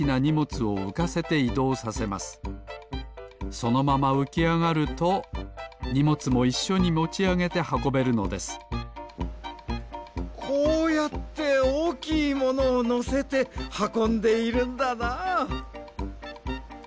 そのままうきあがるとにもつもいっしょにもちあげてはこべるのですこうやっておおきいものをのせてはこんでいるんだな。